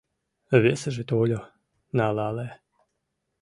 Весыже тольо — налале.